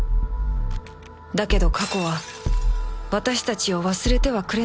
だけど過去は私たちを忘れてはくれなかったのだ